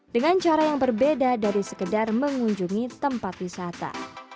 dengan cara yang berbeda dari sekedar mengunjungi tempat wisata